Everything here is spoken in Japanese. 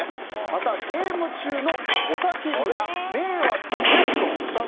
また、ゲーム中の雄たけびが迷惑ですと。